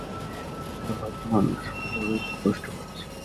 বেচারা ভক্ত মানুষ, বড়ই কষ্ট পাচ্ছে।